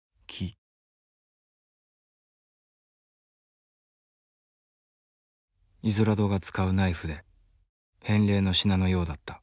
イゾラドが使うナイフで返礼の品のようだった。